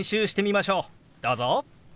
どうぞ！